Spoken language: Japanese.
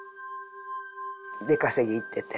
出稼ぎ行ってて。